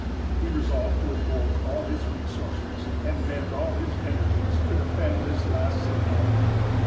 He resolved to invoke all his resources, and bend all his energies to defend this last citadel.